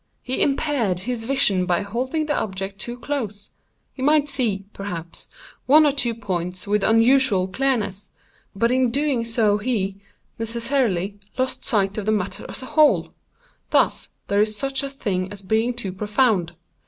He impaired his vision by holding the object too close. He might see, perhaps, one or two points with unusual clearness, but in so doing he, necessarily, lost sight of the matter as a whole. Thus there is such a thing as being too profound.